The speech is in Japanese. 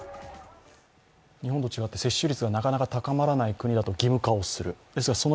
日本と違って接種率がなかなか高まらない国だと義務化をする。